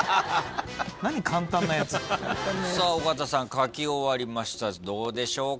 さあ尾形さん書き終わりましたどうでしょうか？